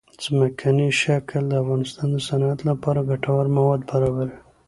ځمکنی شکل د افغانستان د صنعت لپاره ګټور مواد برابروي.